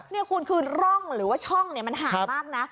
นี่คุณคือร่องหรือว่าช่องมันห่างมากนะ